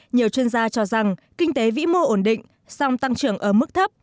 nhiều chuyên gia cho rằng kinh tế vĩ mô ổn định song tăng trưởng ở mức thấp